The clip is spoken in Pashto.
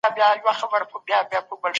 د پرېکړو عملي کول د سياست دنده نه ده؟